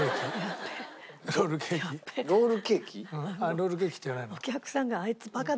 ロールケーキっていわないの？